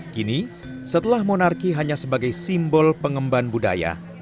kini setelah monarki hanya sebagai simbol pengemban budaya